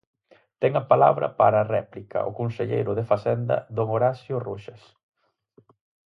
Ten a palabra para a réplica o conselleiro de Facenda, don Horacio Roxas.